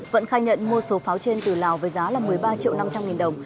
vận khai nhận mua số pháo trên từ lào với giá là một mươi ba triệu năm trăm linh nghìn đồng